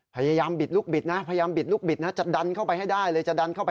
พยายามบิดลูกบิดนะพยายามบิดลูกบิดนะจะดันเข้าไปให้ได้เลย